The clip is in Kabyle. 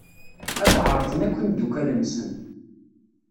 Ad d-ɛerḍen akk imeddukal-nsen.